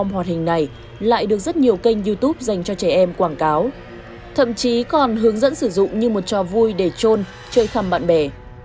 nhiều kênh youtube dành cho trẻ em quảng cáo thậm chí còn hướng dẫn sử dụng như một trò vui để trôn chơi thăm bạn bè